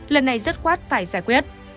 lần này rất khoát phải giải quyết